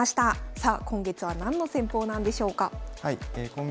さあ今月は何の戦法なんでしょうか。